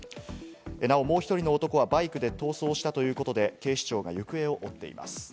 なお、もう１人の男はバイクで逃走したということで、警視庁が行方を追っています。